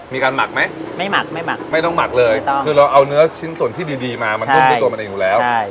มีการหมักไหมไม่ต้องหมักเลยคือเราเอาเนื้อชิ้นส่วนที่ดีมามันต้นตัวมันอยู่แล้ว